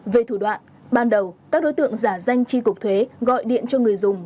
về thủ đoạn ban đầu các đối tượng giả danh tri cục thuế gọi điện cho người dùng